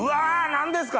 何ですか？